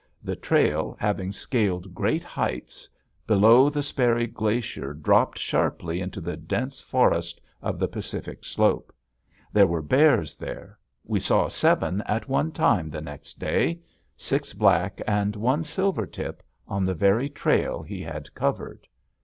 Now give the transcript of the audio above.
The trail, having scaled great heights, below the Sperry Glacier dropped sharply into the dense forest of the Pacific Slope. There were bears there. We saw seven at one time the next day, six black and one silver tip, on the very trail he had covered.